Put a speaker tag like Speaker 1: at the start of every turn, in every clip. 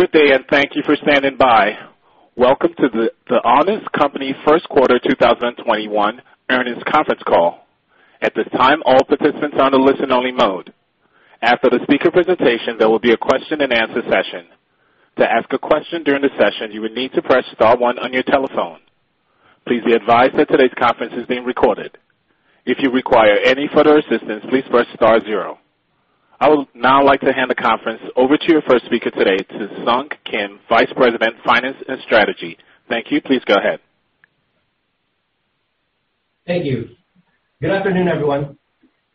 Speaker 1: Good day, and thank you for standing by. Welcome to The Honest Company first quarter 2021 earnings conference call. At this time, all participants are in a listen-only mode. After the speaker presentation, there will be a question-and-answer session. To ask a question during the session, you will need to press star one on your telephone. Please be advised that today's conference is being recorded. If you require any further assistance, please press star zero. I would now like to hand the conference over to your first speaker today, Sung Kim, Vice President, Finance and Strategy. Thank you. Please go ahead.
Speaker 2: Thank you. Good afternoon, everyone.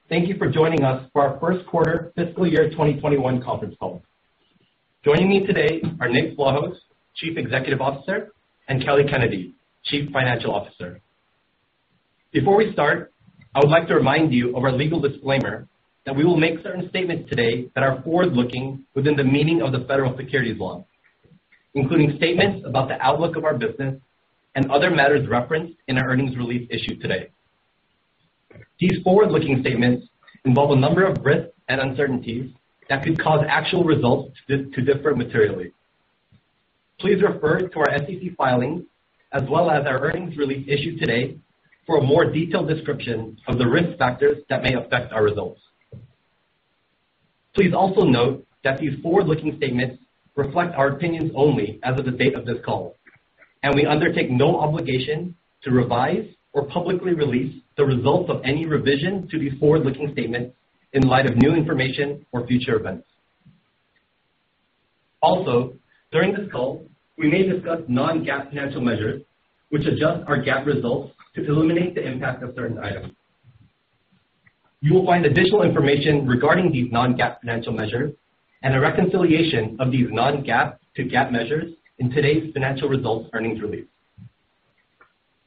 Speaker 2: Thank you for joining us for our 1st quarter fiscal year 2021 conference call. Joining me today are Nick Vlahos, Chief Executive Officer, and Kelly Kennedy, Chief Financial Officer. Before we start, I would like to remind you of our legal disclaimer that we will make certain statements today that are forward-looking within the meaning of the federal securities law, including statements about the outlook of our business and other matters referenced in our earnings release issued today. These forward-looking statements involve a number of risks and uncertainties that could cause actual results to differ materially. Please refer to our SEC filings as well as our earnings release issued today for a more detailed description of the risk factors that may affect our results. Please also note that these forward-looking statements reflect our opinions only as of the date of this call, and we undertake no obligation to revise or publicly release the results of any revision to these forward-looking statements in light of new information or future events. During this call, we may discuss non-GAAP financial measures, which adjust our GAAP results to eliminate the impact of certain items. You will find additional information regarding these non-GAAP financial measures and a reconciliation of these non-GAAP to GAAP measures in today's financial results earnings release.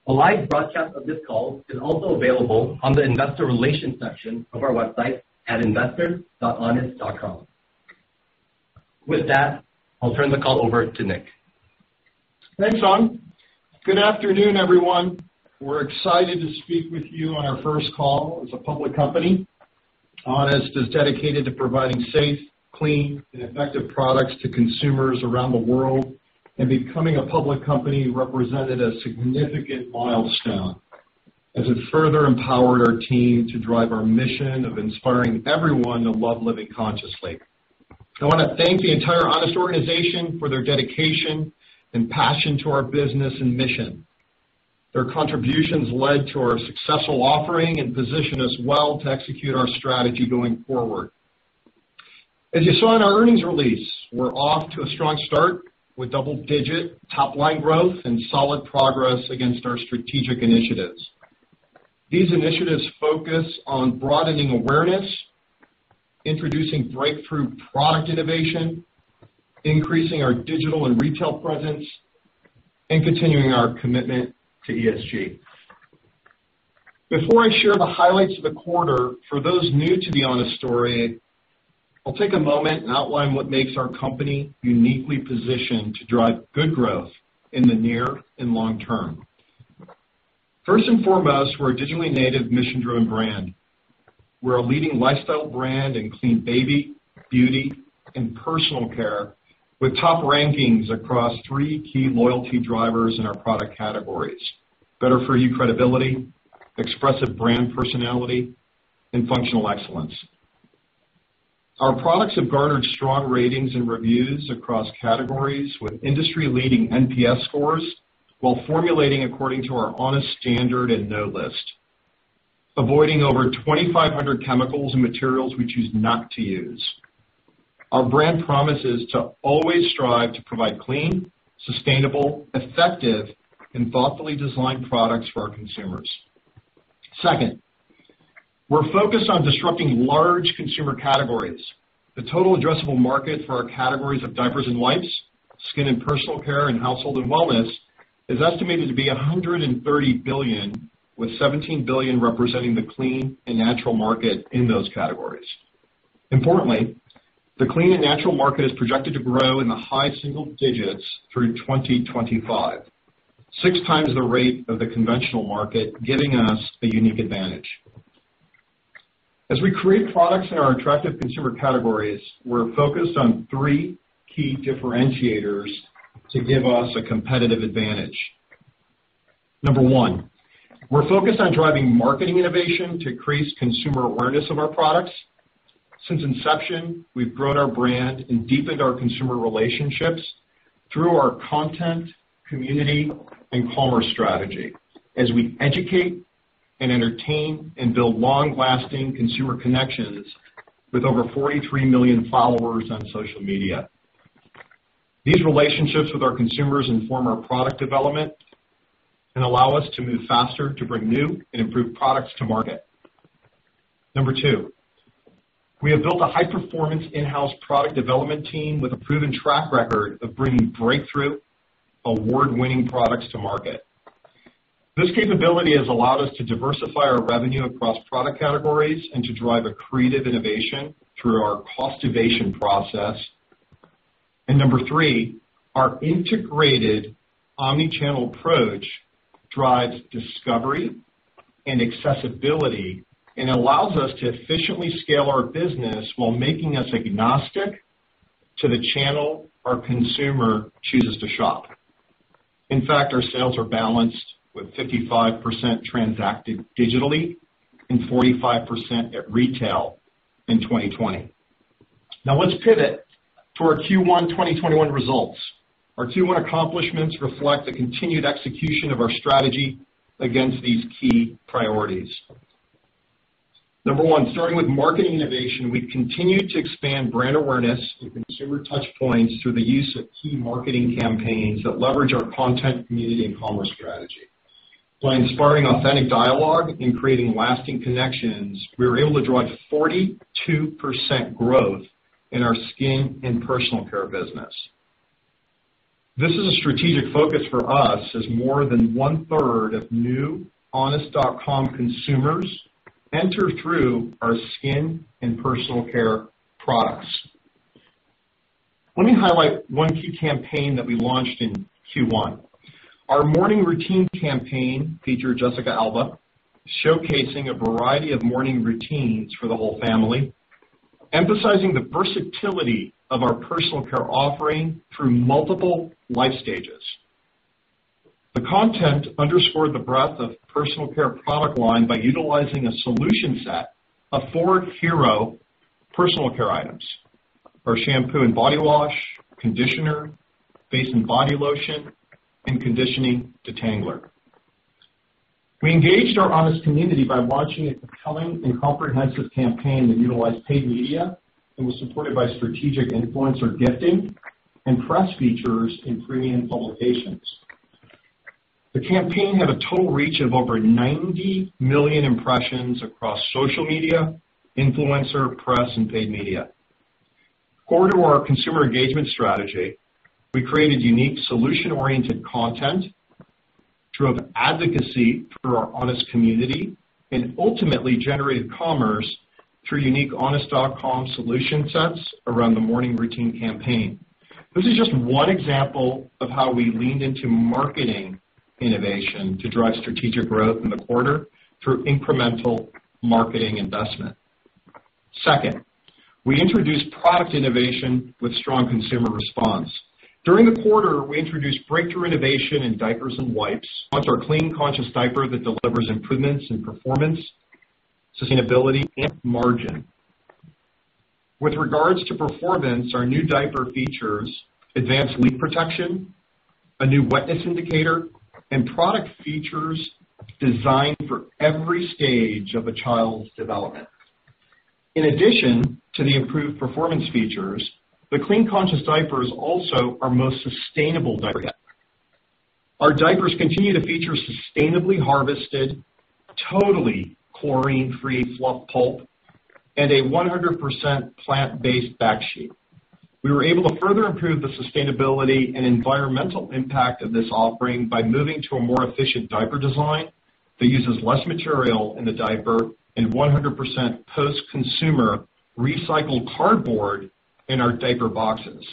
Speaker 2: A live broadcast of this call is also available on the investor relations section of our website at investors.honest.com. With that, I'll turn the call over to Nick.
Speaker 3: Thanks, Sung. Good afternoon, everyone. We're excited to speak with you on our first call as a public company. Honest is dedicated to providing safe, clean, and effective products to consumers around the world, and becoming a public company represented a significant milestone as it further empowered our team to drive our mission of inspiring everyone to love living consciously. I want to thank the entire Honest organization for their dedication and passion to our business and mission. Their contributions led to our successful offering and position us well to execute our strategy going forward. As you saw in our earnings release, we're off to a strong start with double-digit top-line growth and solid progress against our strategic initiatives. These initiatives focus on broadening awareness, introducing breakthrough product innovation, increasing our digital and retail presence, and continuing our commitment to ESG. Before I share the highlights of the quarter, for those new to the Honest story, I'll take a moment and outline what makes our company uniquely positioned to drive good growth in the near and long term. First and foremost, we're a digitally native mission-driven brand. We're a leading lifestyle brand in clean baby, beauty, and personal care with top rankings across three key loyalty drivers in our product categories: better for you credibility, expressive brand personality, and functional excellence. Our products have garnered strong ratings and reviews across categories with industry-leading NPS scores while formulating according to our Honest Standard and NO List, avoiding over 2,500 chemicals and materials we choose not to use. Our brand promise is to always strive to provide clean, sustainable, effective, and thoughtfully designed products for our consumers. Second, we're focused on disrupting large consumer categories. The total addressable market for our categories of diapers and wipes, skin and personal care, and household and wellness is estimated to be $130 billion, with $17 billion representing the clean and natural market in those categories. Importantly, the clean and natural market is projected to grow in the high single digits through 2025, six times the rate of the conventional market, giving us a unique advantage. As we create products in our attractive consumer categories, we're focused on three key differentiators to give us a competitive advantage. Number one, we're focused on driving marketing innovation to increase consumer awareness of our products. Since inception, we've grown our brand and deepened our consumer relationships through our content, community, and commerce strategy as we educate and entertain and build long-lasting consumer connections with over 43 million followers on social media. These relationships with our consumers inform our product development and allow us to move faster to bring new and improved products to market. Number two, we have built a high-performance in-house product development team with a proven track record of bringing breakthrough, award-winning products to market. This capability has allowed us to diversify our revenue across product categories and to drive a creative innovation through our cost innovation process. Number three, our integrated omni-channel approach drives discovery and accessibility and allows us to efficiently scale our business while making us agnostic to the channel our consumer chooses to shop. In fact, our sales are balanced with 55% transacted digitally and 45% at retail in 2020. Let's pivot to our Q1 2021 results. Our Q1 accomplishments reflect the continued execution of our strategy against these key priorities. Number one, starting with marketing innovation. We've continued to expand brand awareness with consumer touchpoints through the use of key marketing campaigns that leverage our content, community, and commerce strategy. By inspiring authentic dialogue and creating lasting connections, we were able to drive 42% growth in our skin and personal care business. This is a strategic focus for us as more than one-third of new honest.com consumers enter through our skin and personal care products. Let me highlight one key campaign that we launched in Q1. Our morning routine campaign featured Jessica Alba showcasing a variety of morning routines for the whole family, emphasizing the versatility of our personal care offering through multiple life stages. The content underscored the breadth of personal care product line by utilizing a solution set of four hero personal care items. Our shampoo and body wash, conditioner, face and body lotion, and conditioning detangler. We engaged our Honest community by launching a compelling and comprehensive campaign that utilized paid media and was supported by strategic influencer gifting and press features in premium publications. The campaign had a total reach of over 90 million impressions across social media, influencer, press, and paid media. Core to our consumer engagement strategy, we created unique solution-oriented content, drove advocacy through our Honest community, and ultimately generated commerce through unique honest.com solution sets around the morning routine campaign. This is just one example of how we leaned into marketing innovation to drive strategic growth in the quarter through incremental marketing investment. Second, we introduced product innovation with strong consumer response. During the quarter, we introduced breakthrough innovation in diapers and wipes. Launched our Clean Conscious Diaper that delivers improvements in performance, sustainability, and margin. With regards to performance, our new diaper features advanced leak protection, a new wetness indicator, and product features designed for every stage of a child's development. In addition to the improved performance features, the Clean Conscious Diapers also are most sustainable diaper yet. Our diapers continue to feature sustainably harvested, totally chlorine-free fluff pulp, and a 100% plant-based backsheet. We were able to further improve the sustainability and environmental impact of this offering by moving to a more efficient diaper design that uses less material in the diaper and 100% post-consumer recycled cardboard in our diaper boxes.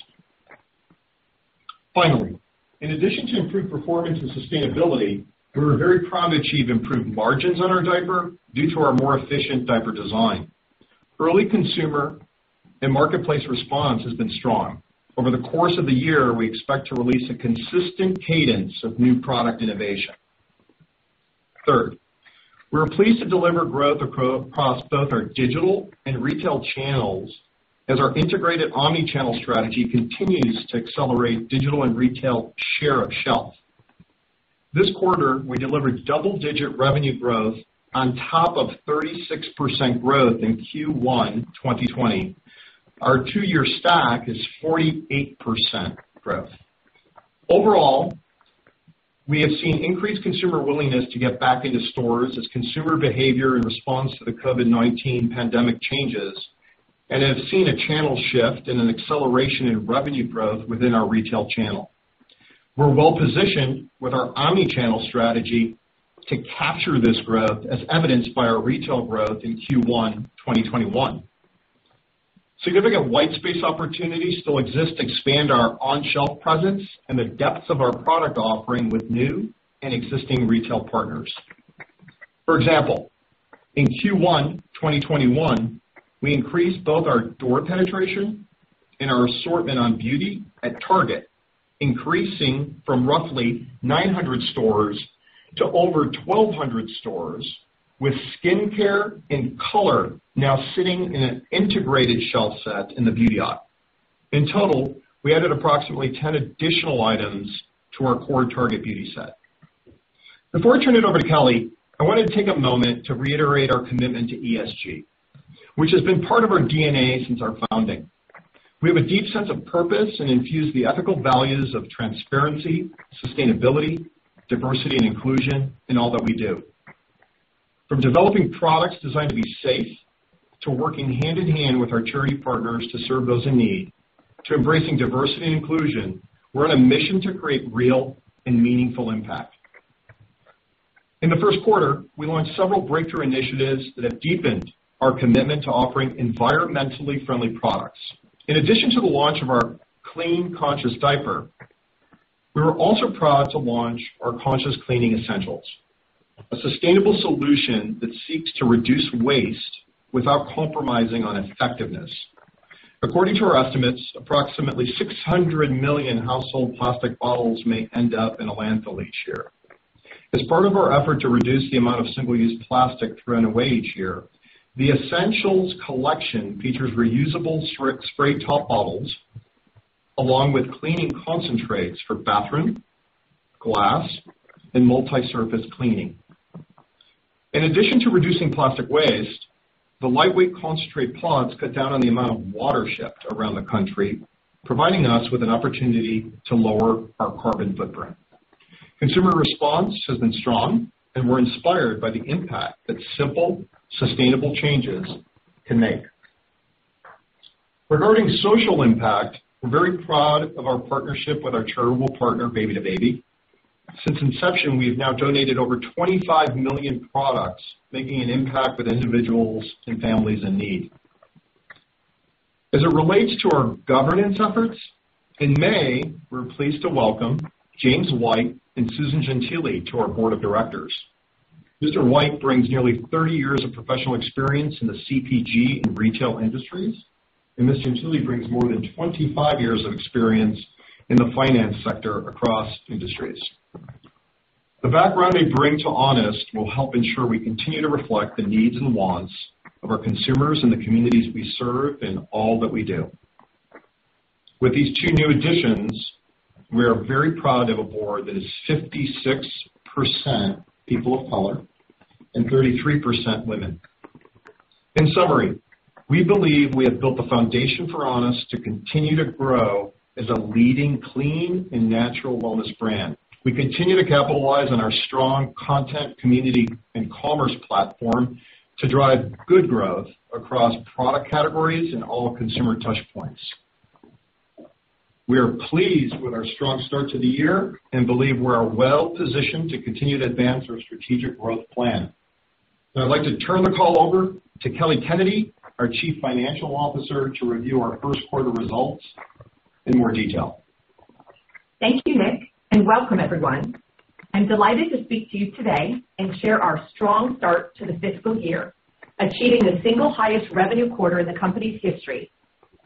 Speaker 3: Finally, in addition to improved performance and sustainability, we were very proud to achieve improved margins on our diaper due to our more efficient diaper design. Early consumer and marketplace response has been strong. Over the course of the year, we expect to release a consistent cadence of new product innovation. We are pleased to deliver growth across both our digital and retail channels as our integrated omni-channel strategy continues to accelerate digital and retail share of shelf. This quarter, we delivered double-digit revenue growth on top of 36% growth in Q1 2020. Our two-year stack is 48% growth. We have seen increased consumer willingness to get back into stores as consumer behavior in response to the COVID-19 pandemic changes and have seen a channel shift and an acceleration in revenue growth within our retail channel. We're well-positioned with our omni-channel strategy to capture this growth, as evidenced by our retail growth in Q1 2021. Significant white space opportunities still exist to expand our on-shelf presence and the depths of our product offering with new and existing retail partners. For example, in Q1 2021, we increased both our door penetration and our assortment on beauty at Target, increasing from roughly 900 stores to over 1,200 stores, with skincare and color now sitting in an integrated shelf set in the beauty aisle. In total, we added approximately 10 additional items to our core Target beauty set. Before I turn it over to Kelly, I wanted to take a moment to reiterate our commitment to ESG, which has been part of our DNA since our founding. We have a deep sense of purpose and infuse the ethical values of transparency, sustainability, diversity, and inclusion in all that we do. From developing products designed to be safe, to working hand in hand with our charity partners to serve those in need, to embracing diversity and inclusion, we're on a mission to create real and meaningful impact. In the first quarter, we launched several breakthrough initiatives that have deepened our commitment to offering environmentally friendly products. In addition to the launch of our Clean Conscious Diaper, we were also proud to launch our Conscious Cleaning Essentials, a sustainable solution that seeks to reduce waste without compromising on effectiveness. According to our estimates, approximately 600 million household plastic bottles may end up in a landfill each year. As part of our effort to reduce the amount of single-use plastic thrown away each year, the Essentials collection features reusable spray top bottles along with cleaning concentrates for bathroom, glass, and multi-surface cleaning. In addition to reducing plastic waste, the lightweight concentrate pods cut down on the amount of water shipped around the country, providing us with an opportunity to lower our carbon footprint. Consumer response has been strong, and we're inspired by the impact that simple, sustainable changes can make. Regarding social impact, we're very proud of our partnership with our charitable partner, Baby2Baby. Since inception, we've now donated over 25 million products, making an impact with individuals and families in need. As it relates to our governance efforts, in May, we were pleased to welcome James D. White and Susan Gentile to our board of directors. Mr. White brings nearly 30 years of professional experience in the CPG and retail industries, and Ms. Gentile brings more than 25 years of experience in the finance sector across industries. The background they bring to The Honest Company will help ensure we continue to reflect the needs and wants of our consumers and the communities we serve in all that we do. With these two new additions, we are very proud to have a board that is 56% people of color and 33% women. In summary, we believe we have built the foundation for The Honest Company to continue to grow as a leading clean and natural wellness brand. We continue to capitalize on our strong content, community, and commerce platform to drive good growth across product categories and all consumer touch points. We are pleased with our strong start to the year and believe we are well positioned to continue to advance our strategic growth plan. I'd like to turn the call over to Kelly Kennedy, our chief financial officer, to review our first quarter results in more detail.
Speaker 4: Thank you, Nick, and welcome everyone. I'm delighted to speak to you today and share our strong start to the fiscal year, achieving the single highest revenue quarter in the company's history,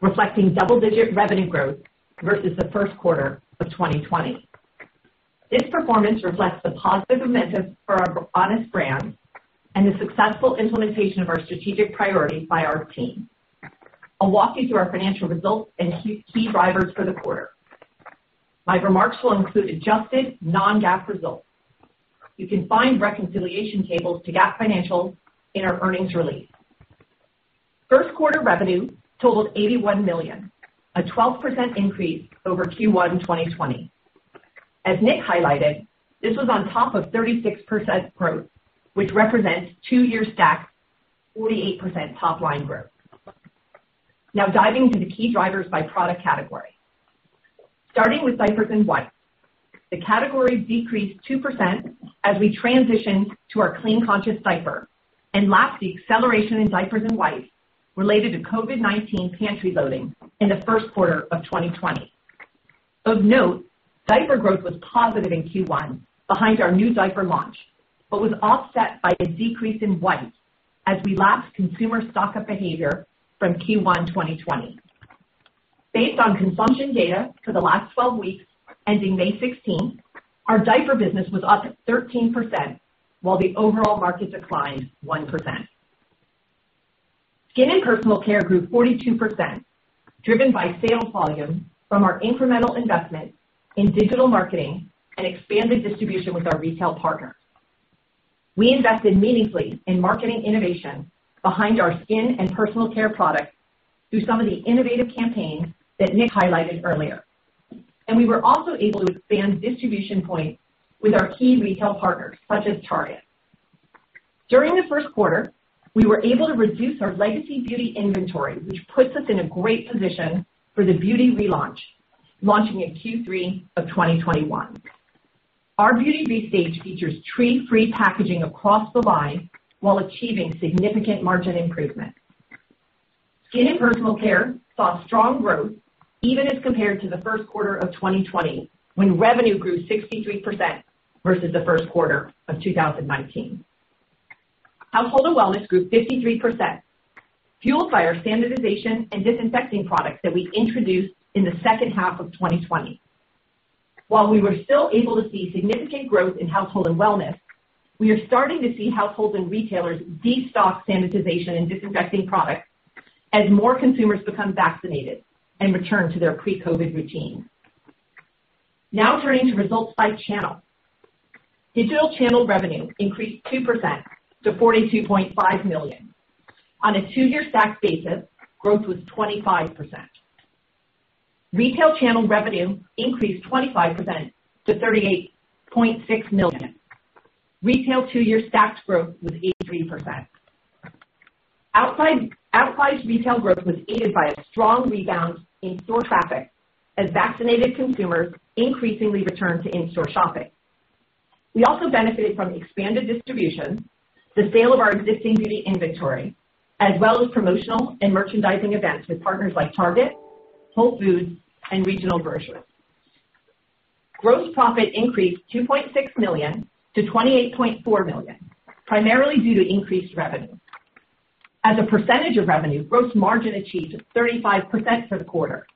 Speaker 4: reflecting double-digit revenue growth versus the first quarter of 2020. This performance reflects the positive momentum for our Honest brand and the successful implementation of our strategic priorities by our team. I'll walk you through our financial results and key drivers for the quarter. My remarks will include adjusted non-GAAP results. You can find reconciliation tables to GAAP financials in our earnings release. First quarter revenue totaled $81 million, a 12% increase over Q1 in 2020. As Nick highlighted, this was on top of 36% growth, which represents two year stacked 48% top-line growth. Now diving into the key drivers by product category. Starting with diapers and wipes. The category decreased 2% as we transition to our Clean Conscious Diaper and lapped the acceleration in diapers and wipes related to COVID-19 pantry loading in the first quarter of 2020. Of note, diaper growth was positive in Q1 behind our new diaper launch, but was offset by a decrease in wipes as we lapped consumer stock-up behavior from Q1 2020. Based on consumption data for the last 12 weeks ending May 16th, our diaper business was up 13% while the overall market declined 1%. Skin and personal care grew 42%, driven by sales volume from our incremental investment in digital marketing and expanded distribution with our retail partners. We invested meaningfully in marketing innovation behind our skin and personal care products through some of the innovative campaigns that Nick highlighted earlier. We were also able to expand distribution points with our key retail partners such as Target. During the first quarter, we were able to reduce our legacy beauty inventory, which puts us in a great position for the beauty relaunch, launching in Q3 of 2021. Our beauty restage features tree-free packaging across the line while achieving significant margin improvement. Skin and personal care saw strong growth even as compared to the first quarter of 2020 when revenue grew 63% versus the first quarter of 2019. Household and wellness grew 53%, fueled by our sanitization and disinfecting products that we introduced in the second half of 2020. While we were still able to see significant growth in household and wellness, we are starting to see household and retailers de-stock sanitization and disinfecting products as more consumers become vaccinated and return to their pre-COVID regimes. Now turning to results by channel. Digital channel revenue increased 2% to $42.5 million. On a two-year stacked basis, growth was 25%. Retail channel revenue increased 25% to $38.6 million. Retail two year stacked growth was 18%. Outside retail growth was aided by a strong rebound in store traffic as vaccinated consumers increasingly returned to in-store shopping. We also benefited from expanded distribution, the sale of our existing beauty inventory, as well as promotional and merchandising events with partners like Target, Whole Foods, and regional grocers. Gross profit increased $2.6 million to $28.4 million, primarily due to increased revenue. As a percentage of revenue, gross margin achieved 35% for the quarter.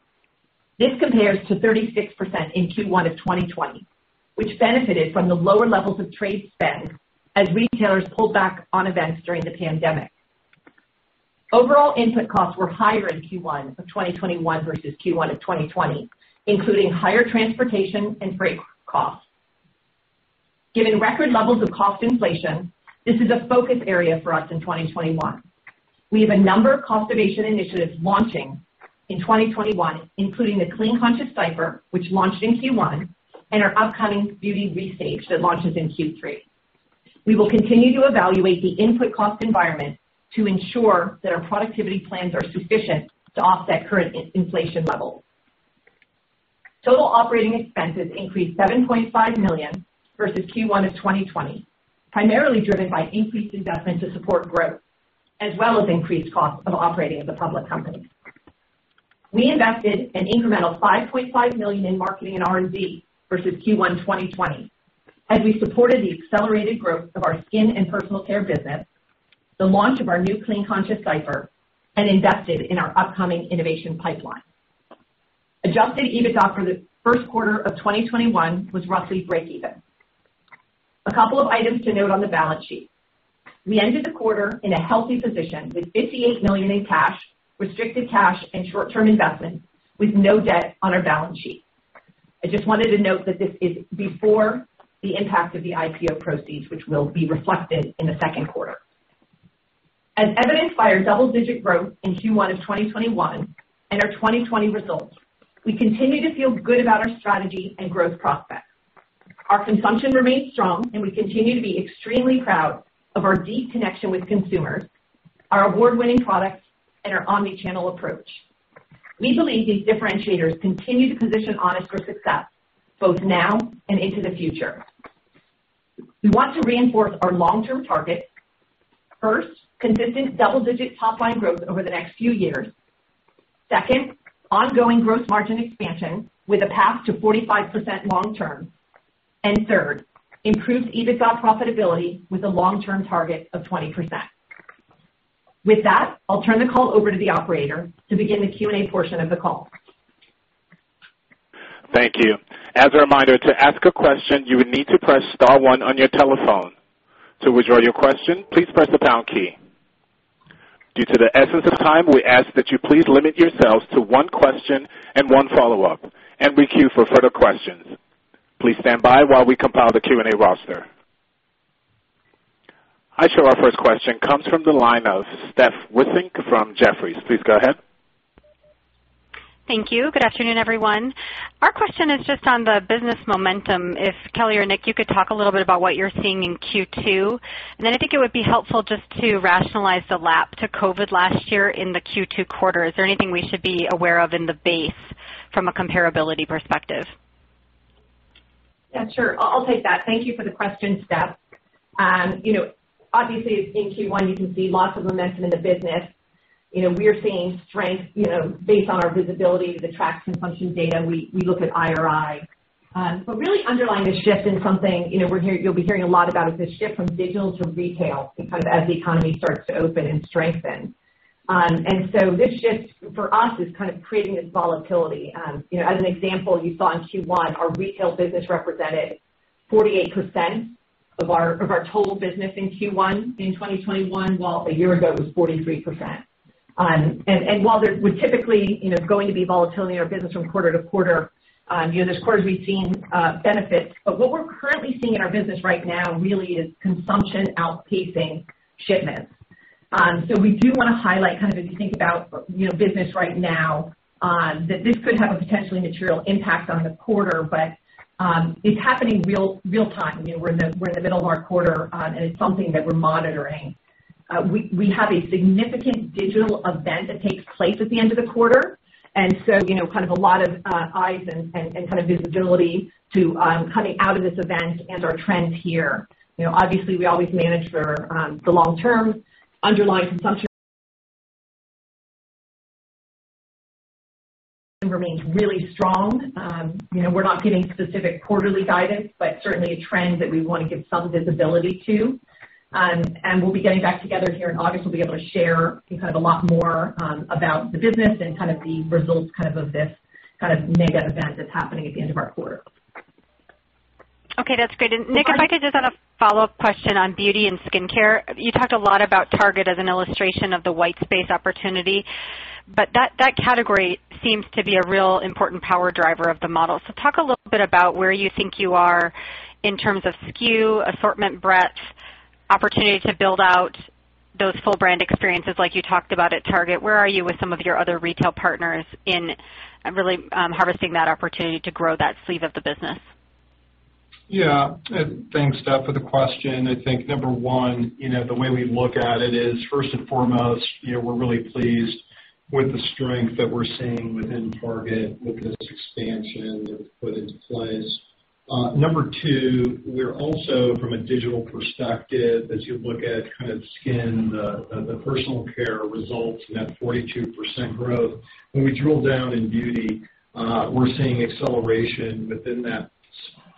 Speaker 4: This compares to 36% in Q1 of 2020, which benefited from the lower levels of trade spend as retailers pulled back on events during the pandemic. Overall input costs were higher in Q1 of 2021 versus Q1 of 2020, including higher transportation and freight costs. Given record levels of cost inflation, this is a focus area for us in 2021. We have a number of cost mitigation initiatives launching in 2021, including the Clean Conscious Diaper, which launched in Q1, and our upcoming beauty restage that launches in Q3. We will continue to evaluate the input cost environment to ensure that our productivity plans are sufficient to offset current inflation levels. Total operating expenses increased $7.5 million versus Q1 of 2020, primarily driven by increased investment to support growth, as well as increased costs from operating as a public company. We invested an incremental $5.5 million in marketing and R&D versus Q1 2020 as we supported the accelerated growth of our skin and personal care business, the launch of our new Clean Conscious Diaper, and invested in our upcoming innovation pipeline. Adjusted EBITDA for the first quarter of 2021 was roughly breakeven. A couple of items to note on the balance sheet. We ended the quarter in a healthy position with $58 million in cash, restricted cash, and short-term investments, with no debt on our balance sheet. I just wanted to note that this is before the impact of the IPO proceeds, which will be reflected in the second quarter. As evidenced by our double-digit growth in Q1 2021 and our 2020 results, we continue to feel good about our strategy and growth prospects. Our consumption remains strong, and we continue to be extremely proud of our deep connection with consumers, our award-winning products, and our omni-channel approach. We believe these differentiators continue to position us for success both now and into the future. We want to reinforce our long-term targets. First, consistent double-digit top-line growth over the next few years. Second, ongoing gross margin expansion with a path to 45% long term. Third, improved EBITDA profitability with a long-term target of 20%. With that, I'll turn the call over to the operator to begin the Q&A portion of the call.
Speaker 1: Thank you. As a reminder, to ask a question, you will need to press star one on your telephone. To withdraw your question, please press the pound key. Due to the essence of time, we ask that you please limit yourselves to one question and one follow-up and queue for further questions. Please stand by while we compile the Q&A roster. I show our first question comes from the line of Stephanie Wissink from Jefferies. Please go ahead.
Speaker 5: Thank you. Good afternoon, everyone. Our question is just on the business momentum. If Kelly or Nick, you could talk a little bit about what you're seeing in Q2, and I think it would be helpful just to rationalize the lap to COVID last year in the Q2 quarter. Is there anything we should be aware of in the base from a comparability perspective?
Speaker 4: Yeah, sure. I'll take that. Thank you for the question, Steph. Obviously, in Q1, you can see lots of momentum in the business. We are seeing strength based on our visibility to the track consumption data. We look at IRI. Really underlying a shift in something you'll be hearing a lot about is the shift from digital to retail as the economy starts to open and strengthen. This shift for us is kind of creating this volatility. As an example, you saw in Q1, our retail business represented 48% of our total business in Q1 in 2021, while a year ago, it was 43%. While we're typically going to be volatile in our business from quarter to quarter, there's quarters we've seen benefits. What we're currently seeing in our business right now really is consumption outpacing shipments. We do want to highlight as you think about business right now, that this could have a potentially material impact on the quarter. It's happening real-time. We're in the middle of our quarter, and it's something that we're monitoring. We have a significant digital event that takes place at the end of the quarter, kind of a lot of eyes and kind of visibility to coming out of this event and our trends here. Obviously, we always manage for the long term. Underlying consumption remains really strong. We're not giving specific quarterly guidance, certainly trends that we want to give some visibility to. We'll be getting back together here in August. We'll be able to share a lot more about the business and the results of this mega event that's happening at the end of our quarter.
Speaker 5: Okay, that's great. Nick, I might just have a follow-up question on beauty and skincare. You talked a lot about Target as an illustration of the white space opportunity, that category seems to be a real important power driver of the model. Talk a little bit about where you think you are in terms of SKU, assortment breadth, opportunity to build out those full brand experiences like you talked about at Target. Where are you with some of your other retail partners in really harvesting that opportunity to grow that sleeve of the business?
Speaker 3: Yeah. Thanks, Steph, for the question. I think number one, the way we look at it is, first and foremost, we're really pleased with the strength that we're seeing within Target with this expansion that we've put into place. Number two, we're also, from a digital perspective, as you look at kind of skin, the personal care results and that 42% growth, when we drill down in beauty, we're seeing acceleration within that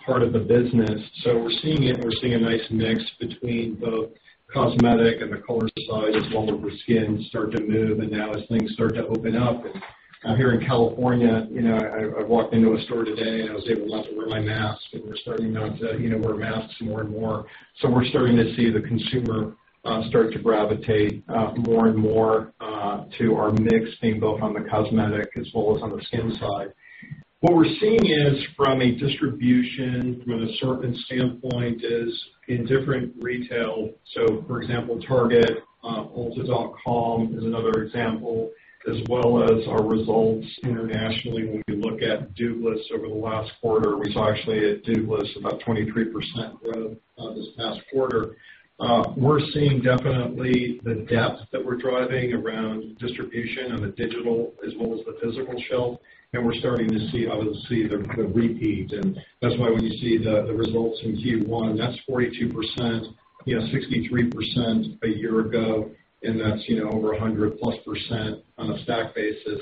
Speaker 3: part of the business. We're seeing it, and we're seeing a nice mix between both cosmetic and the color side as well with the skin start to move, and now as things start to open up. Out here in California, I walked into a store today, and I was able not to wear my mask, and we're starting now to wear masks more and more. We're starting to see the consumer start to gravitate more and more to our mix being both on the cosmetic as well as on the skin side. What we're seeing is, from a distribution, from an assortment standpoint, is in different retail, so, for example, Target, ulta.com is another example, as well as our results internationally. When we look at Douglas over the last quarter, we saw actually at Douglas about 23% growth this past quarter. We're seeing definitely the depth that we're driving around distribution on the digital as well as the physical shelf, and we're starting to see the repeat. That's why when you see the results in Q1, that's 42%, 63% a year ago, and that's over 100-plus percent on a stack basis.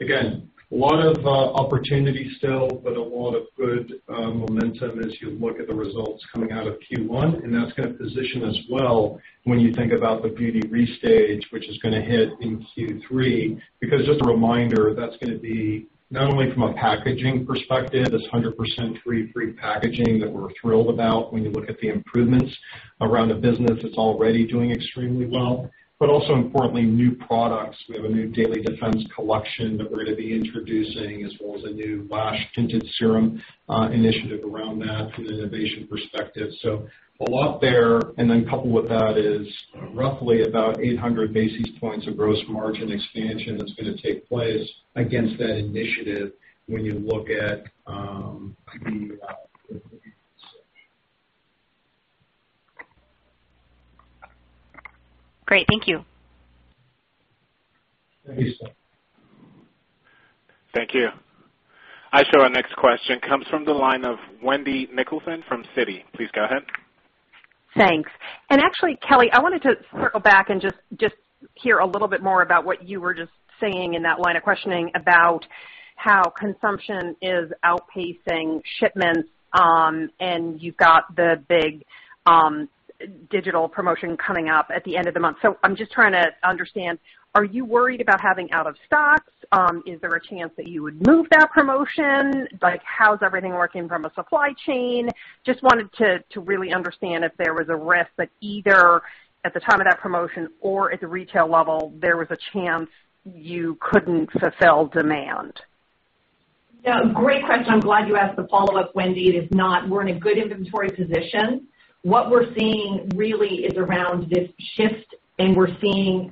Speaker 3: Again, a lot of opportunity still, but a lot of good momentum as you look at the results coming out of Q1. That's going to position us well when you think about the beauty restage, which is going to hit in Q3. Just a reminder, that's going to be not only from a packaging perspective, this 100% tree-free packaging that we're thrilled about when you look at the improvements around a business that's already doing extremely well, but also importantly, new products. We have a new Daily Defense collection that we're going to be introducing, as well as a new Lash Tinted Serum initiative around that from an innovation perspective. A lot there, and then coupled with that is roughly about 800 basis points of gross margin expansion that's going to take place against that initiative.
Speaker 5: Great. Thank you.
Speaker 3: Thank you.
Speaker 1: Thank you. I show our next question comes from the line of Wendy Nicholson from Citi. Please go ahead.
Speaker 6: Thanks. Actually, Kelly, I wanted to circle back and just hear a little bit more about what you were just saying in that line of questioning about how consumption is outpacing shipments, and you've got the big digital promotion coming up at the end of the month. I'm just trying to understand, are you worried about having out of stocks? Is there a chance that you would move that promotion? How's everything working from a supply chain? Just wanted to really understand if there was a risk that either at the time of that promotion or at the retail level, there was a chance you couldn't fulfill demand.
Speaker 4: Yeah. Great question. I'm glad you asked the follow-up, Wendy. It is not. We're in a good inventory position. What we're seeing really is around this shift. We're seeing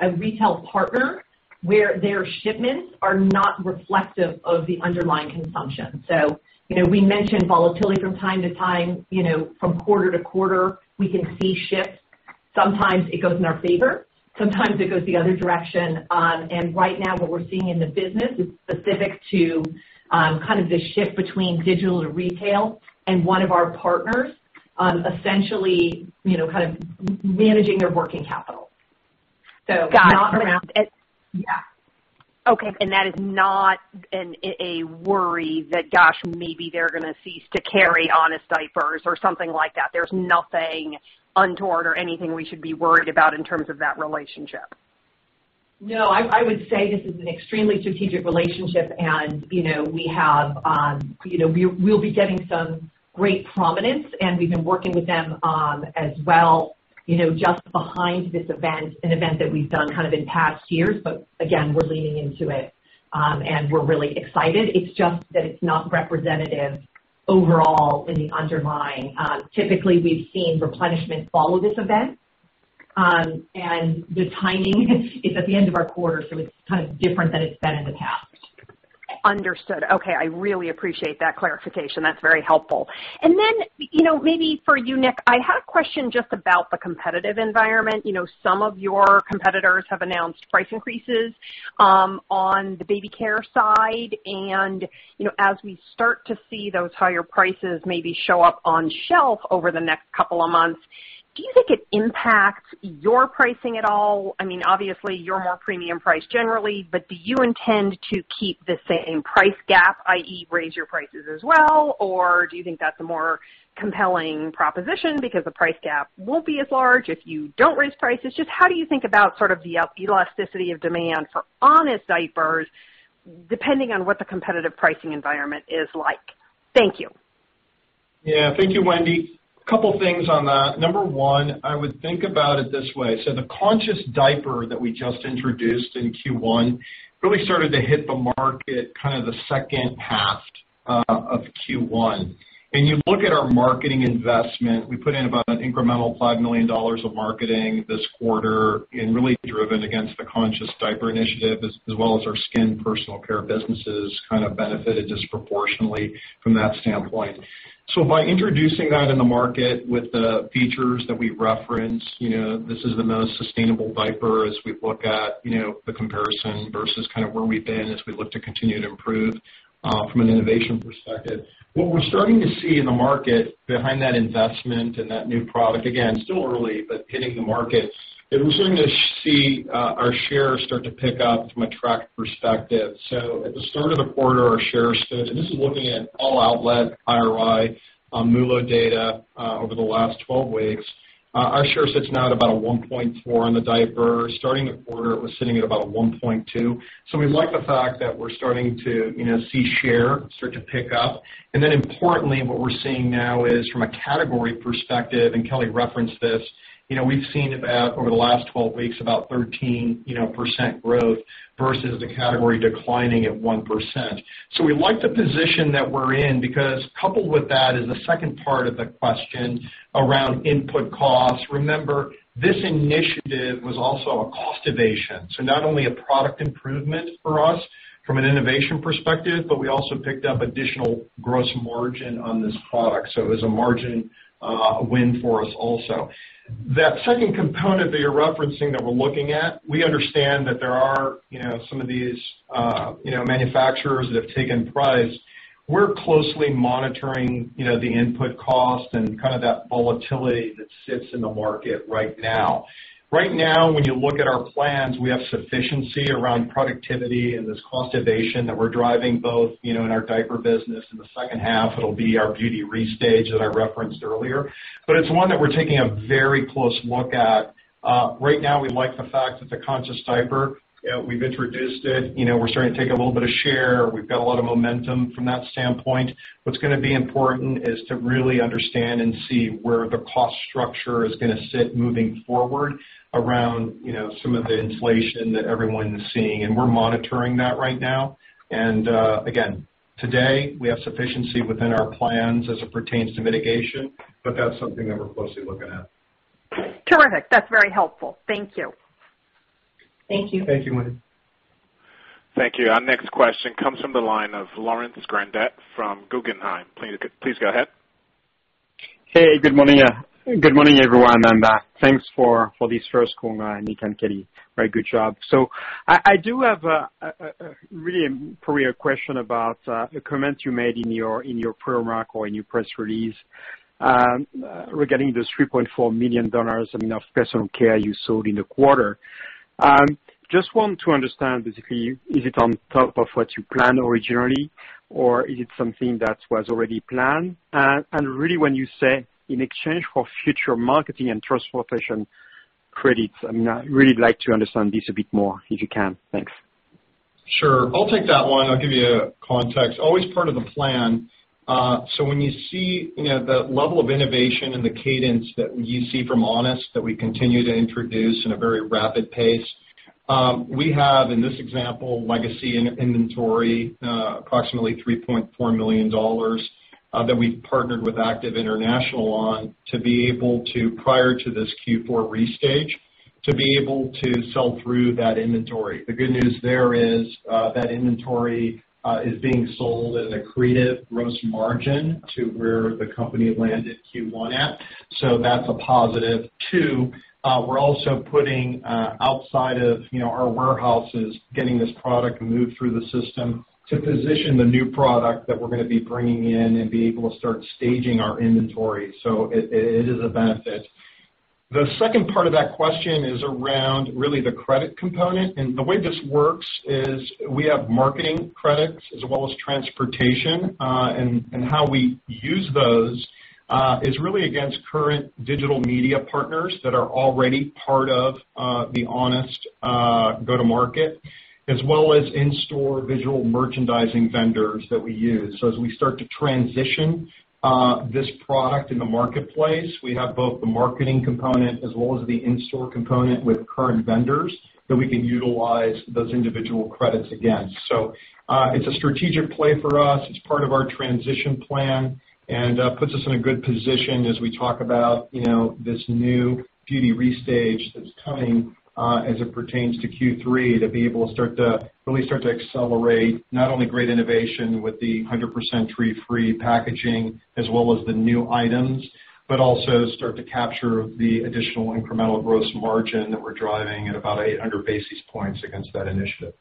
Speaker 4: a retail partner where their shipments are not reflective of the underlying consumption. We mentioned volatility from time to time, from quarter to quarter, we can see shifts. Sometimes it goes in our favor, sometimes it goes the other direction. Right now, what we're seeing in the business is specific to kind of the shift between digital to retail and one of our partners essentially kind of managing their working capital.
Speaker 6: Got it.
Speaker 4: Yeah.
Speaker 6: Okay, that is not a worry that, gosh, maybe they're going to cease to carry Honest diapers or something like that. There's nothing untoward or anything we should be worried about in terms of that relationship?
Speaker 4: I would say this is an extremely strategic relationship, and we'll be getting some great prominence, and we've been working with them as well just behind this event, an event that we've done kind of in past years. Again, we're leaning into it, and we're really excited. It's just that it's not representative overall in the underlying. Typically, we've seen replenishment follow this event. The timing is at the end of our quarter, so it's kind of different than it's been in the past.
Speaker 6: Understood. Okay. I really appreciate that clarification. That's very helpful. Maybe for you, Nick, I had a question just about the competitive environment. Some of your competitors have announced price increases on the baby care side. As we start to see those higher prices maybe show up on shelf over the next couple of months, do you think it impacts your pricing at all? Obviously, you're more premium priced generally, but do you intend to keep the same price gap, i.e., raise your prices as well, or do you think that's a more compelling proposition because the price gap won't be as large if you don't raise prices? Just how do you think about sort of the elasticity of demand for Honest diapers, depending on what the competitive pricing environment is like? Thank you.
Speaker 3: Yeah. Thank you, Wendy. A couple things on that. Number 1, I would think about it this way. The Conscious Diaper that we just introduced in Q1 really started to hit the market kind of the second half of Q1. You look at our marketing investment, we put in about an incremental $5 million of marketing this quarter and really driven against the Conscious Diaper initiative, as well as our skin personal care businesses kind of benefited disproportionately from that standpoint. By introducing that in the market with the features that we referenced, this is the most sustainable diaper as we look at the comparison versus kind of where we've been as we look to continue to improve from an innovation perspective. What we're starting to see in the market behind that investment and that new product, again, still early, but hitting the market, is we're starting to see our shares start to pick up from a traffic perspective. At the start of the quarter, our shares stood, and this is looking at all outlet IRI, MULO data over the last 12 weeks, our shares sitting at about 1.4 on the diaper. Starting the quarter, it was sitting at about 1.2. We like the fact that we're starting to see share start to pick up. Importantly, what we're seeing now is from a category perspective, and Kelly referenced this, we've seen about over the last 12 weeks about 13% growth versus the category declining at 1%. We like the position that we're in because coupled with that is the second part of the question around input costs. Remember, this initiative was also a cost innovation. Not only a product improvement for us from an innovation perspective, but we also picked up additional gross margin on this product. It was a margin win for us also. That second component that you're referencing that we're looking at, we understand that there are some of these manufacturers that have taken price. We're closely monitoring the input cost and kind of that volatility that sits in the market right now. Right now, when you look at our plans, we have sufficiency around productivity and this cost innovation that we're driving both in our diaper business. In the second half, it'll be our beauty restage that I referenced earlier. It's one that we're taking a very close look at. Right now, we like the fact that the Conscious Diaper, we've introduced it. We're starting to take a little bit of share. We've got a lot of momentum from that standpoint. What's going to be important is to really understand and see where the cost structure is going to sit moving forward around some of the inflation that everyone is seeing. We're monitoring that right now. Again, today, we have sufficiency within our plans as it pertains to mitigation. That's something that we're closely looking at.
Speaker 6: Terrific. That's very helpful. Thank you.
Speaker 3: Thank you, Wendy.
Speaker 1: Thank you. Our next question comes from the line of Laurent Grandet from Guggenheim. Please go ahead.
Speaker 7: Hey, good morning, everyone, and thanks for this first call, Nick and Kelly. Very good job. I do have really for you a question about a comment you made in your press release regarding this $3.4 million in personal care you sold in the quarter. Just want to understand if it's on top of what you planned originally, or is it something that was already planned? Really when you say in exchange for future marketing and transportation credits, I'd really like to understand this a bit more, if you can. Thanks.
Speaker 3: Sure. I'll take that one. I'll give you context. Always part of the plan. When you see that level of innovation and the cadence that you see from Honest that we continue to introduce in a very rapid pace, we have, in this example, legacy inventory, approximately $3.4 million that we partnered with Active International on to be able to, prior to this Q4 restage, to be able to sell through that inventory. The good news there is that inventory is being sold at a accretive gross margin to where the company landed Q1 at. That's a +2, we're also putting outside of our warehouses, getting this product moved through the system to position the new product that we're going to be bringing in and be able to start staging our inventory. It is a benefit. The second part of that question is around really the credit component. The way this works is we have marketing credits as well as transportation, and how we use those is really against current digital media partners that are already part of The Honest go-to-market, as well as in-store visual merchandising vendors that we use. As we start to transition this product in the marketplace, we have both the marketing component as well as the in-store component with current vendors that we can utilize those individual credits against. It's a strategic play for us. It's part of our transition plan and puts us in a good position as we talk about this new beauty restage that's coming as it pertains to Q3 to be able to really start to accelerate not only great innovation with the 100% tree-free packaging as well as the new items, but also start to capture the additional incremental gross margin that we're driving at about 800 basis points against that initiative.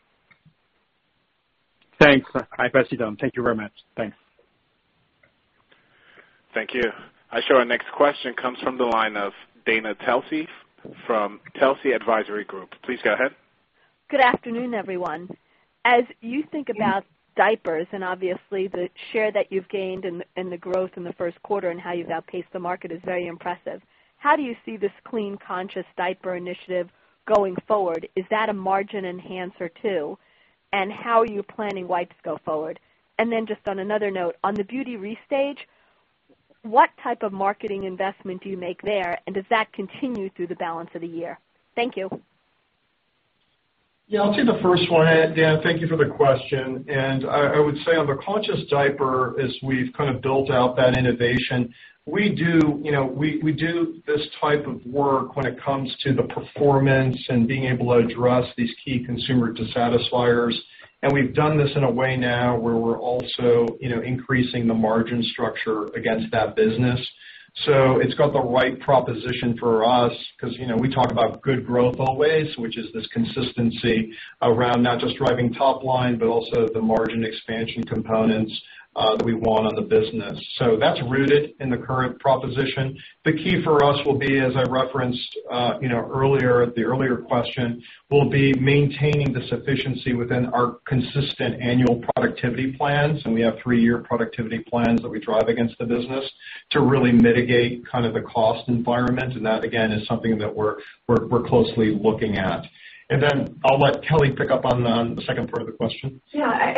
Speaker 7: Thanks. I appreciate that. Thank you very much. Thanks.
Speaker 1: Thank you. I show our next question comes from the line of Dana Telsey from Telsey Advisory Group. Please go ahead.
Speaker 8: Good afternoon, everyone. As you think about diapers and obviously the share that you've gained and the growth in the first quarter and how you've outpaced the market is very impressive, how do you see this Clean Conscious Diaper initiative going forward? Is that a margin enhancer, too? How are you planning wipes go forward? Just on another note, on the beauty restage, what type of marketing investment do you make there? Does that continue through the balance of the year? Thank you.
Speaker 3: Yeah, I'll take the first one. Dan, thank you for the question. I would say on the Conscious Diaper, as we've kind of built out that innovation, we do this type of work when it comes to the performance and being able to address these key consumer dissatisfiers. We've done this in a way now where we're also increasing the margin structure against that business. It's got the right proposition for us because we talk about good growth always, which is this consistency around not just driving top line, but also the margin expansion components that we want on the business. That's rooted in the current proposition. The key for us will be, as I referenced the earlier question, will be maintaining the sufficiency within our consistent annual productivity plans. We have 3-year productivity plans that we drive against the business to really mitigate kind of the cost environment. That, again, is something that we're closely looking at. Then I'll let Kelly pick up on the second part of the question.
Speaker 4: Yeah. As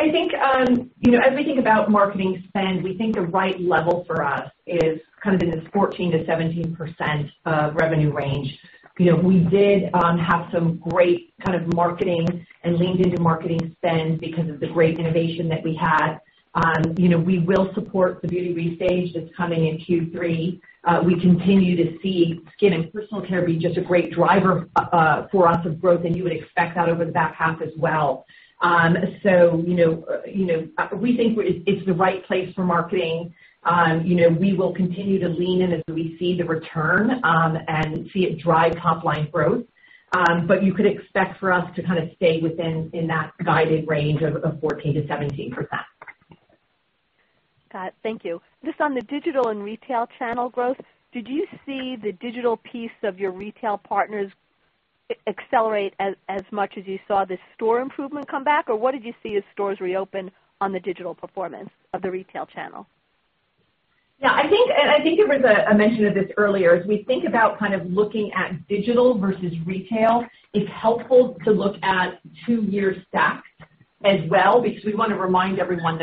Speaker 4: we think about marketing spend, we think the right level for us is kind of in this 14%-17% of revenue range. We did have some great kind of marketing and leaned into marketing spend because of the great innovation that we had. We will support the beauty restage that's coming in Q3. We continue to see skin and personal care be just a great driver for us of growth, and you would expect that over the back half as well. We think it's the right place for marketing. We will continue to lean in as we see the return, and see it drive top line growth. You could expect for us to kind of stay within that guided range of 14%-17%.
Speaker 8: Pat, thank you. Just on the digital and retail channel growth, did you see the digital piece of your retail partners accelerate as much as you saw the store improvement come back? What did you see as stores reopen on the digital performance of the retail channel?
Speaker 4: Yeah. I think there was a mention of this earlier. As we think about kind of looking at digital versus retail, it is helpful to look at two-year stacks as well, because we want to remind everyone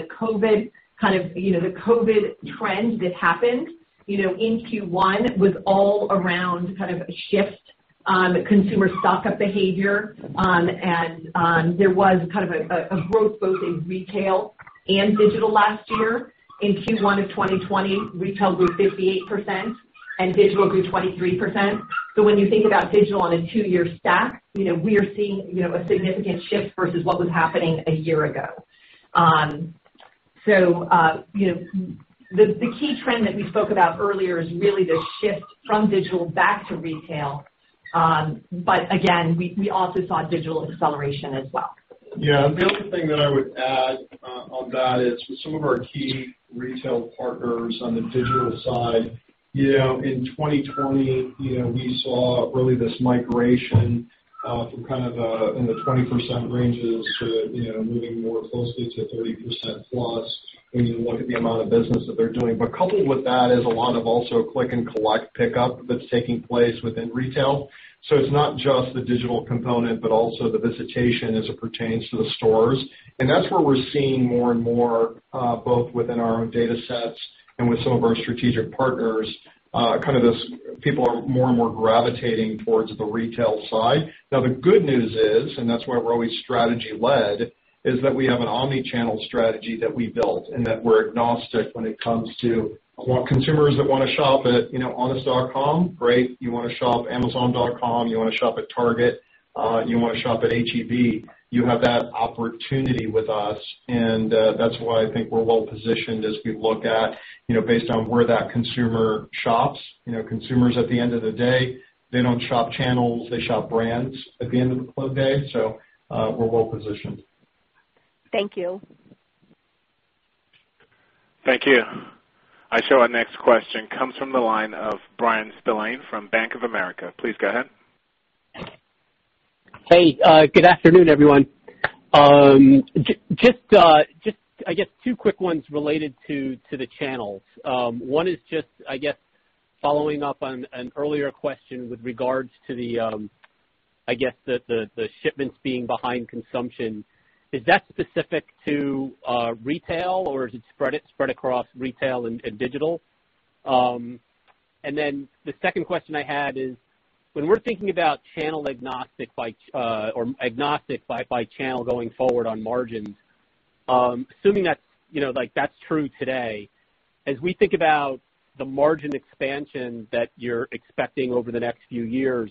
Speaker 4: the COVID trend that happened in Q1 was all around kind of a shift on consumer stock-up behavior, and there was kind of a growth both in retail and digital last year. In Q1 of 2020, retail grew 58% and digital grew 23%. When you think about digital on a two-year stack, we are seeing a significant shift versus what was happening a year ago. The key trend that we spoke about earlier is really the shift from digital back to retail. Again, we also saw digital acceleration as well.
Speaker 3: Yeah. The other thing that I would add on that is with some of our key retail partners on the digital side, in 2020, we saw really this migration from kind of in the 20% ranges to moving more closely to 30% plus when you look at the amount of business that they're doing. Coupled with that is a lot of also click and collect pickup that's taking place within retail. It's not just the digital component, but also the visitation as it pertains to the stores. That's where we're seeing more and more, both within our own data sets and with some of our strategic partners, people are more and more gravitating towards the retail side. The good news is, and that's why we're always strategy led, is that we have an omni-channel strategy that we built and that we're agnostic when it comes to consumers that want to shop at honest.com, great. You want to shop amazon.com, you want to shop at Target, you want to shop at H-E-B, you have that opportunity with us. That's why I think we're well-positioned as we look at based on where that consumer shops. Consumers, at the end of the day, they don't shop channels, they shop brands at the end of the day. We're well-positioned.
Speaker 8: Thank you.
Speaker 1: Thank you. I show our next question comes from the line of Bryan Spillane from Bank of America. Please go ahead.
Speaker 9: Hey, good afternoon, everyone. Just, I guess two quick ones related to the channels. One is just, I guess following up on an earlier question with regards to the shipments being behind consumption. Is that specific to retail, or is it spread across retail and digital? The second question I had is, when we're thinking about channel agnostic or agnostic by channel going forward on margins, assuming that's true today, as we think about the margin expansion that you're expecting over the next few years,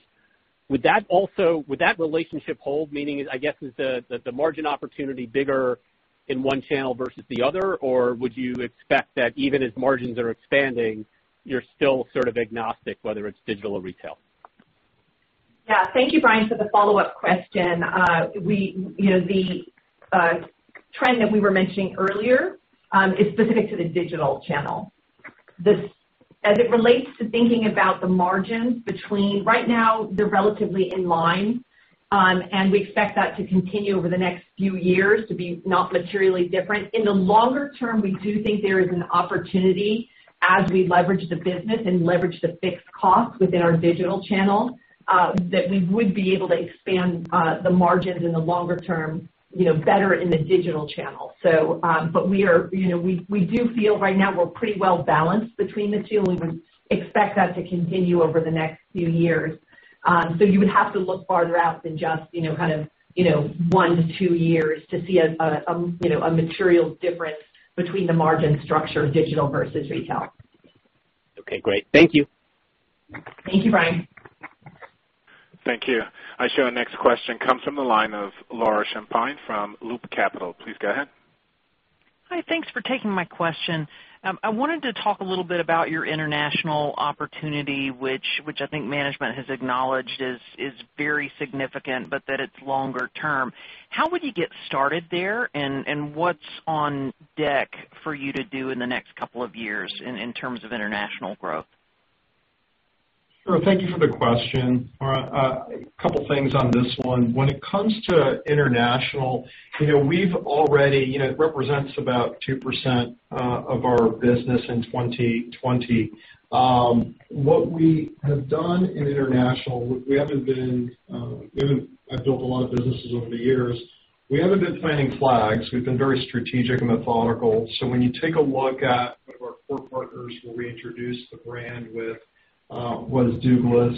Speaker 9: would that relationship hold? Meaning, I guess, is the margin opportunity bigger in one channel versus the other? Would you expect that even as margins are expanding, you're still sort of agnostic whether it's digital or retail?
Speaker 4: Yeah. Thank you, Bryan, for the follow-up question. The trend that we were mentioning earlier is specific to the digital channel. As it relates to thinking about the margins between, right now, they're relatively in line. We expect that to continue over the next few years to be not materially different. In the longer term, we do think there is an opportunity as we leverage the business and leverage the fixed costs within our digital channel, that we would be able to expand the margins in the longer term better in the digital channel. We do feel right now we're pretty well-balanced between the two, and we would expect that to continue over the next few years. You would have to look farther out than just kind of 1-2 years to see a material difference between the margin structure of digital versus retail.
Speaker 9: Okay, great. Thank you.
Speaker 4: Thank you, Bryan.
Speaker 1: Thank you. I show our next question comes from the line of Laura Champine from Loop Capital. Please go ahead.
Speaker 10: Hi. Thanks for taking my question. I wanted to talk a little bit about your international opportunity, which I think management has acknowledged is very significant, but that it's longer term. How would you get started there, and what's on deck for you to do in the next couple of years in terms of international growth?
Speaker 3: Sure. Thank you for the question. A couple of things on this one. When it comes to international, it represents about 2% of our business in 2020. What we have done in international, I've built a lot of businesses over the years. We haven't been planting flags. We've been very strategic and methodical. When you take a look at one of our core partners where we introduced the brand with what is Douglas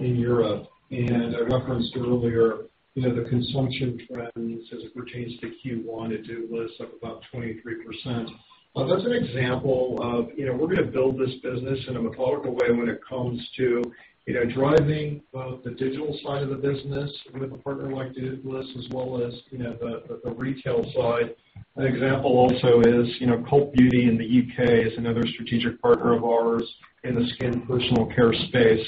Speaker 3: in Europe, and I referenced earlier, the consumption trends as it pertains to Q1 at Douglas of about 23%. That's an example of we're going to build this business in a methodical way when it comes to driving both the digital side of the business with a partner like Douglas as well as the retail side. An example also is Cult Beauty in the U.K. is another strategic partner of ours in the skin personal care space.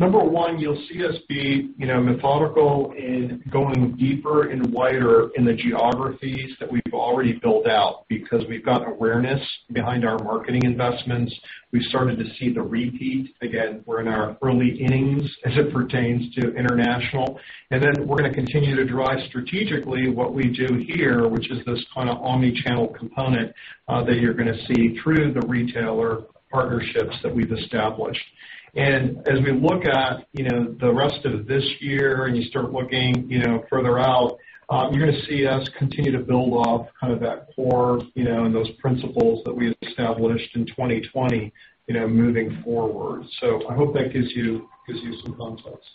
Speaker 3: Number one, you'll see us be methodical in going deeper and wider in the geographies that we've already built out because we've got awareness behind our marketing investments. We've started to see the repeat. Again, we're in our early innings as it pertains to international. We're going to continue to drive strategically what we do here, which is this kind of omni-channel component that you're going to see through the retailer partnerships that we've established. As we look at the rest of this year and you start looking further out, you're going to see us continue to build off that core and those principles that we established in 2020 moving forward. I hope that gives you some context.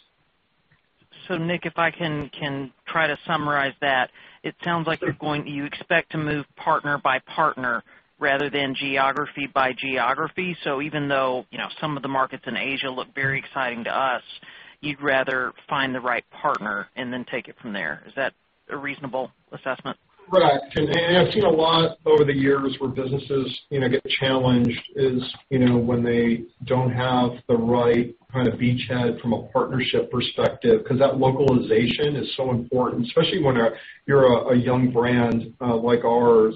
Speaker 10: Nick, if I can try to summarize that, it sounds like you expect to move partner by partner rather than geography by geography. Even though some of the markets in Asia look very exciting to us, you'd rather find the right partner and then take it from there. Is that a reasonable assessment?
Speaker 3: Correct. I've seen a lot over the years where businesses get challenged is when they don't have the right kind of beachhead from a partnership perspective, because that localization is so important, especially when you're a young brand like ours.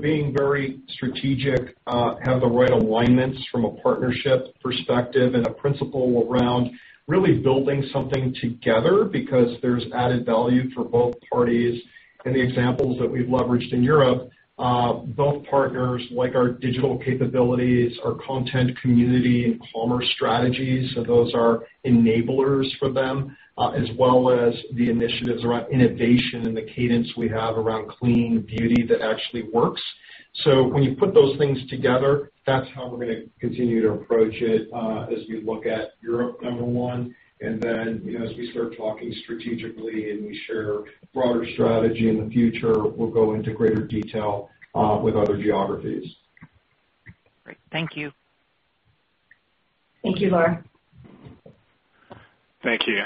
Speaker 3: Being very strategic, have the right alignments from a partnership perspective and a principle around really building something together because there's added value for both parties. In the examples that we've leveraged in Europe, both partners like our digital capabilities, our content community, and commerce strategies. Those are enablers for them, as well as the initiatives around innovation and the cadence we have around clean beauty that actually works. When you put those things together, that's how we're going to continue to approach it as we look at Europe, number one, and then, as we start talking strategically and we share broader strategy in the future, we'll go into greater detail with other geographies.
Speaker 10: Great. Thank you.
Speaker 3: Thank you, Laura.
Speaker 1: Thank you.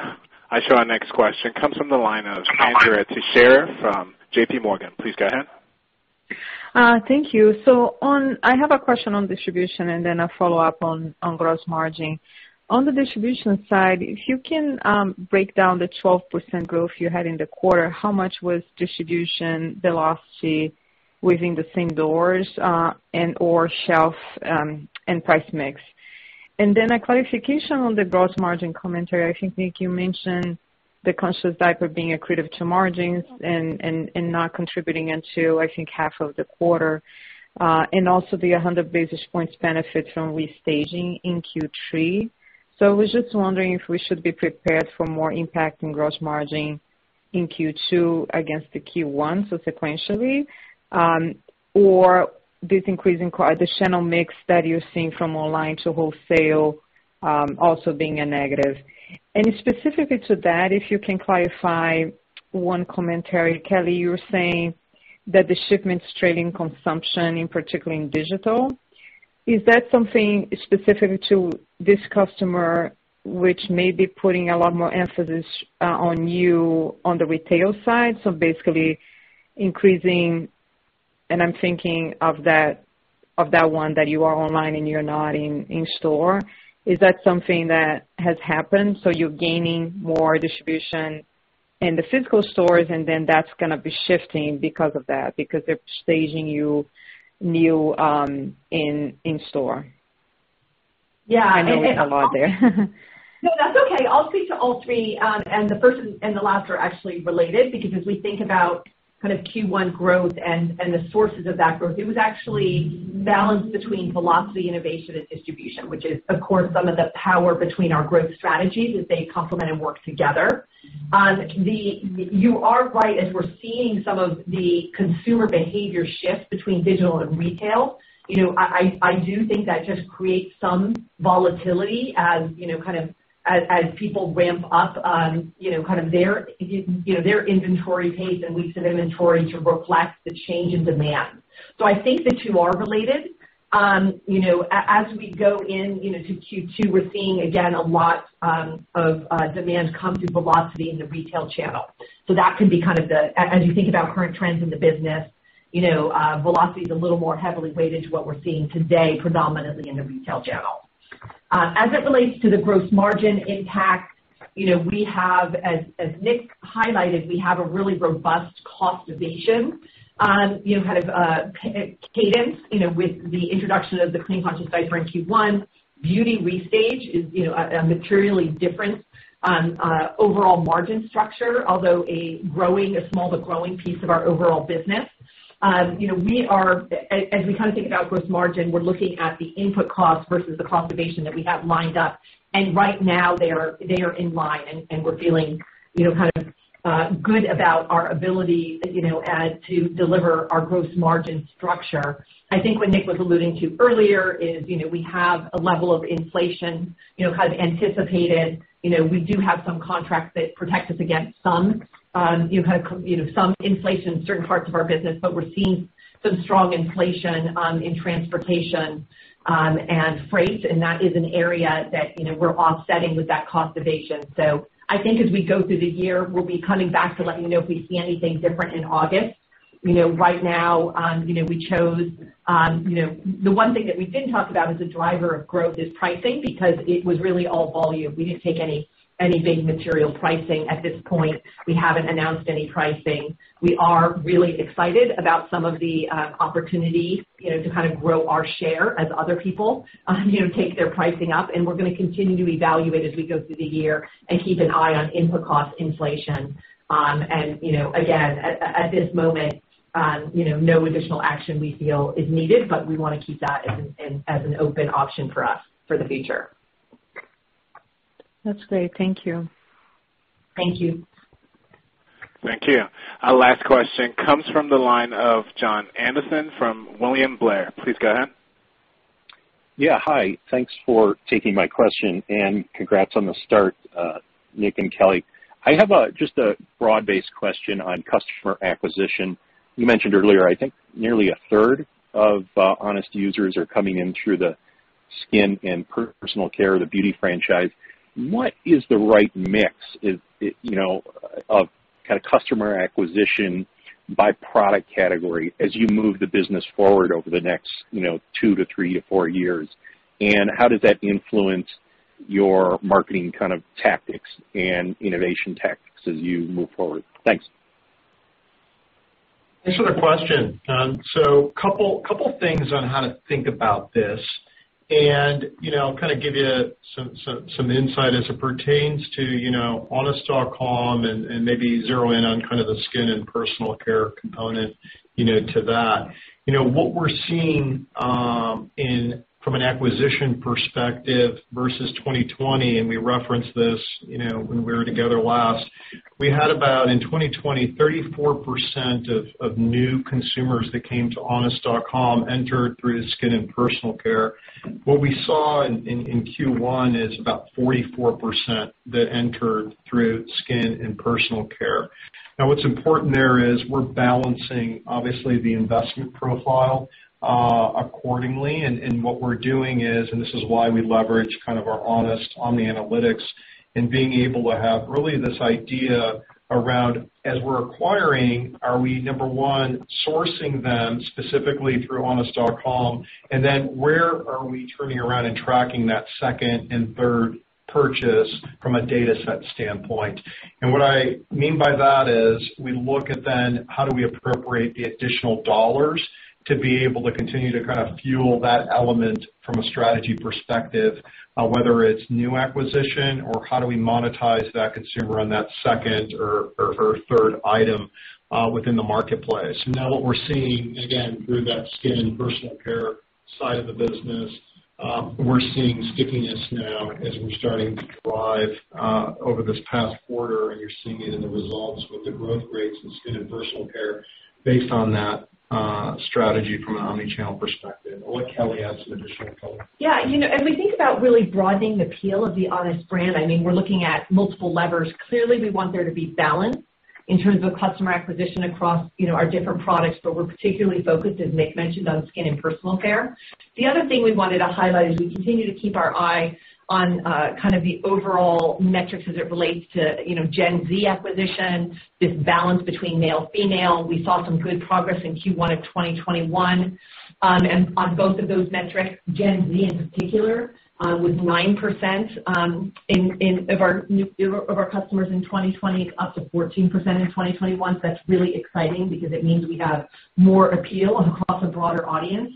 Speaker 1: I show our next question comes from the line of Andrea Teixeira from JPMorgan. Please go ahead.
Speaker 11: Thank you. I have a question on distribution and then a follow-up on gross margin. On the distribution side, if you can break down the 12% growth you had in the quarter, how much was distribution velocity within the same doors and/or shelf and price mix? Then a clarification on the gross margin commentary. I think, Nick, you mentioned the constant dollar being accretive to margins and not contributing until, I think, half of the quarter, and also the 100 basis points benefit from restaging in Q3. I was just wondering if we should be prepared for more impact on gross margin in Q2 against the Q1 sequentially, or this increasing channel mix that you're seeing from online to wholesale also being a negative. Specifically to that, if you can clarify one commentary. Kelly, you were saying that the shipments trading consumption, in particular in digital. Is that something specific to this customer, which may be putting a lot more emphasis on you on the retail side? Basically increasing, and I'm thinking of that one that you are online and you're not in store. Is that something that has happened? You're gaining more distribution in the physical stores, and then that's going to be shifting because of that, because they're staging you new in store.
Speaker 3: Yeah.
Speaker 11: I know that's a lot there.
Speaker 3: No, that's okay. I'll speak to all three, and the first and the last are actually related because as we think about Q1 growth and the sources of that growth, it was actually balanced between velocity, innovation, and distribution, which is, of course, some of the power between our growth strategies, that they complement and work together. You are right as we're seeing some of the consumer behavior shift between digital and retail. I do think that just creates some volatility as people ramp up on their inventory pace and we set inventory to reflect the change in demand. I think the two are related.
Speaker 4: As we go into Q2, we're seeing, again, a lot of demand come through velocity in the retail channel. As you think about current trends in the business, velocity is a little more heavily weighted to what we're seeing today, predominantly in the retail channel. As it relates to the gross margin impact, as Nick highlighted, we have a really robust cost evasion kind of cadence with the introduction of the Clean Conscious Diaper in Q1. Beauty restage is a materially different overall margin structure, although a small but growing piece of our overall business. As we think about gross margin, we're looking at the input cost versus the cost evasion that we have lined up, and right now they are in line, and we're feeling kind of good about our ability to deliver our gross margin structure. I think what Nick was alluding to earlier is, we have a level of inflation kind of anticipated. We do have some contracts that protect us against some inflation in certain parts of our business, but we're seeing some strong inflation in transportation and freight, and that is an area that we're offsetting with that cost evasion. I think as we go through the year, we'll be coming back to let you know if we see anything different in August. Right now, the one thing that we didn't talk about as a driver of growth is pricing, because it was really all volume. We didn't take any big material pricing at this point. We haven't announced any pricing. We are really excited about some of the opportunity to kind of grow our share as other people take their pricing up. We're going to continue to evaluate as we go through the year and keep an eye on input cost inflation. Again, at this moment, no additional action we feel is needed, but we want to keep that as an open option for us for the future.
Speaker 11: That's great. Thank you.
Speaker 4: Thank you.
Speaker 1: Thank you. Our last question comes from the line of Jon Andersen from William Blair. Please go ahead.
Speaker 12: Hi. Thanks for taking my question, and congrats on the start, Nick and Kelly. I have just a broad-based question on customer acquisition. You mentioned earlier, I think nearly a third of Honest users are coming in through the skin and personal care, the beauty franchise. What is the right mix of customer acquisition by product category as you move the business forward over the next two to three or four years? How does that influence your marketing kind of tactics and innovation tactics as you move forward? Thanks.
Speaker 3: Excellent question, Jon. A couple things on how to think about this, and I'll kind of give you some insight as it pertains to honest.com and maybe zero in on kind of the skin and personal care component to that. What we're seeing from an acquisition perspective versus 2020, and we referenced this when we were together last, we had about, in 2020, 34% of new consumers that came to honest.com entered through the skin and personal care. What we saw in Q1 is about 44% that entered through skin and personal care. What's important there is we're balancing, obviously, the investment profile accordingly. What we're doing is, this is why we leverage kind of our Honest Omni-Analytics and being able to have really this idea around, as we're acquiring, are we, number one, sourcing them specifically through honest.com, and then where are we turning around and tracking that second and third purchase from a data set standpoint? What I mean by that is, we look at then how do we appropriate the additional dollars to be able to continue to kind of fuel that element from a strategy perspective, whether it's new acquisition or how do we monetize that consumer on that second or third item within the marketplace. Now what we're seeing, again through that skin and personal care side of the business, we're seeing stickiness now as we're starting to drive over this past quarter, and you're seeing it in the results with the growth rates in skin and personal care based on that strategy from an omnichannel perspective. I'll let Kelly add some additional color.
Speaker 4: Yeah. As we think about really broadening the appeal of The Honest Brand, we're looking at multiple levers. Clearly, we want there to be balance in terms of customer acquisition across our different products, but we're particularly focused, as Nick mentioned, on skin and personal care. The other thing we wanted to highlight is we continue to keep our eye on kind of the overall metrics as it relates to Gen Z acquisition, this balance between male, female. We saw some good progress in Q1 2021 on both of those metrics. Gen Z in particular, with 9% of our customers in 2020 up to 14% in 2021. That's really exciting because it means we have more appeal across a broader audience.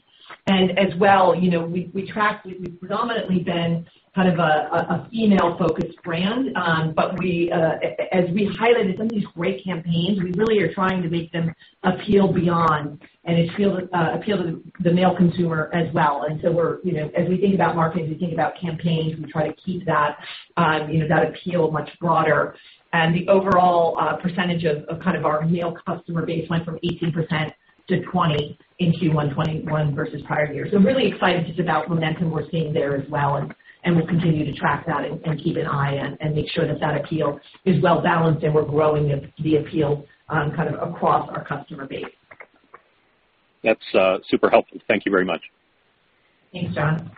Speaker 4: As well, we've predominantly been kind of a female-focused brand. As we highlighted some of these great campaigns, we really are trying to make them appeal beyond and appeal to the male consumer as well. As we think about marketing, we think about campaigns, we try to keep that appeal much broader. The overall percentage of kind of our male customer base went from 18% to 20% in Q1 2021 versus prior years. Really excited just about momentum we're seeing there as well, and we'll continue to track that and keep an eye and make sure that that appeal is well-balanced and we're growing the appeal kind of across our customer base.
Speaker 12: That's super helpful. Thank you very much.
Speaker 4: Thanks, Jon.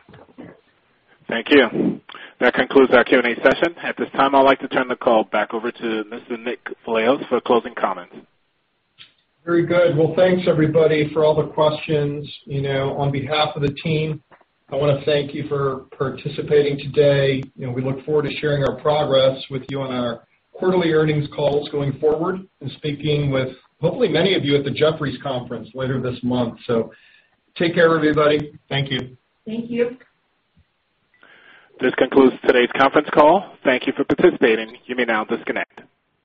Speaker 1: Thank you. That concludes our Q&A session. At this time, I'd like to turn the call back over to Mr. Nick Vlahos for closing comments.
Speaker 3: Very good. Well, thanks everybody for all the questions. On behalf of the team, I want to thank you for participating today. We look forward to sharing our progress with you on our quarterly earnings calls going forward and speaking with hopefully many of you at the Jefferies conference later this month. Take care, everybody. Thank you.
Speaker 4: Thank you.
Speaker 1: This concludes today's conference call. Thank you for participating. You may now disconnect.